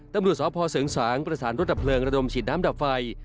ตำรวจสพเสริงสางประสานรถดับเพลิงระดมฉีดน้ำดับไฟ